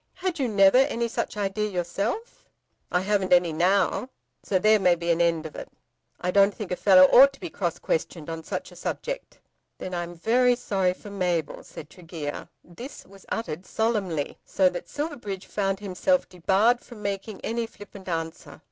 "Had you never any such idea yourself?" "I haven't any now, so there may be an end of it. I don't think a fellow ought to be cross questioned on such a subject." "Then I am very sorry for Mabel," said Tregear. This was uttered solemnly, so that Silverbridge found himself debarred from making any flippant answer.